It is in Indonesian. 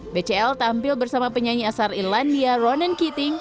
bcl tampil bersama penyanyi asal irlandia ronen kitting